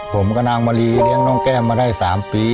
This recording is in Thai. ผมกับนางมะลีเลี้ยงน้องแก้มมาได้๓ปี